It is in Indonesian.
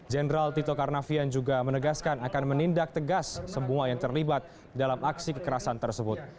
jenderal tito karnavian juga menegaskan akan menindak tegas semua yang terlibat dalam aksi kekerasan tersebut